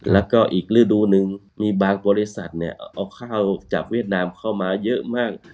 แล้วก็อีกฤดูหนึ่งมีบางบริษัทเนี่ยเอาข้าวจากเวียดนามเข้ามาเยอะมาก